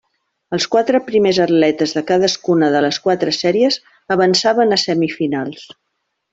Els quatre primers atletes de cadascuna de les quatre sèries avançaven a semifinals.